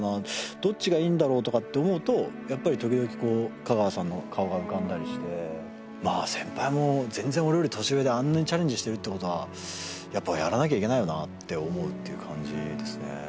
どっちがいいんだろうとかって思うとやっぱり時々香川さんの顔が浮かんだりしてまあ先輩も全然俺より年上であんなにチャレンジしてるってことはやっぱりやらなきゃいけないよなって思うっていう感じですね